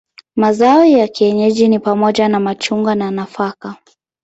Mazao ya kienyeji ni pamoja na machungwa na nafaka.